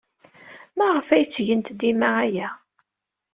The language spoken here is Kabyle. Maɣef ay ttgent dima aya?